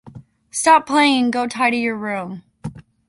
Stop playing and go tidy your room!